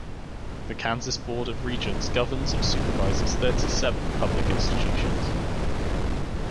The Kansas Board of Regents governs or supervises thirty-seven public institutions.